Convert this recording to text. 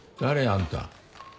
あんた。